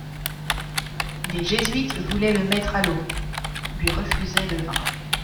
Les Jésuites voulaient «le mettre à l'eau» (lui refusaient le vin).